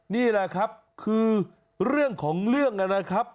นี่แหละครับคือเรื่องของเรื่องนะครับ